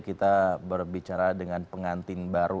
kita berbicara dengan pengantin baru